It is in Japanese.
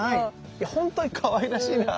いや本当にかわいらしいなぁ。